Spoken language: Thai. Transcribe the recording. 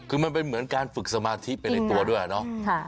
คือมันเป็นเหมือนการฝึกสมาธิไปในตัวด้วยเนาะ